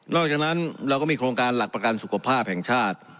จากนั้นเราก็มีโครงการหลักประกันสุขภาพแห่งชาติ